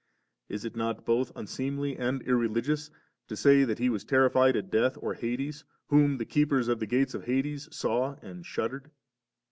Is it not both unseemly and irreligious to say that He was ter rified at death or hades, whom the keepers of the gates of hades 9 saw and shuddered